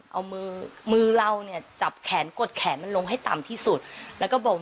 เอามือมือเราเนี่ยจับแขนกดแขนมันลงให้ต่ำที่สุดแล้วก็บอก